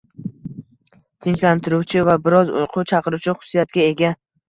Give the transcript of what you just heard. Tinchlantiruvchi va biroz uyqu chaqiruvchi xususiyatga ega.